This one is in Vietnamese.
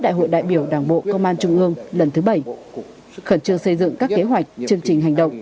của trung ương lần thứ bảy khẩn trương xây dựng các kế hoạch chương trình hành động